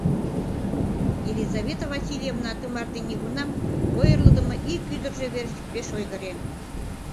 Елизавета Васильевна тымарте нигунамат ойырлыдымо ик ӱдыржӧ верч пеш ойгырен.